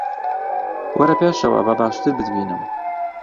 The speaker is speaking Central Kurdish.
وەرە پێشەوە، با باشتر بتبینم